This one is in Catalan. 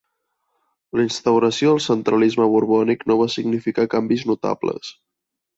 La instauració del centralisme borbònic no va significar canvis notables.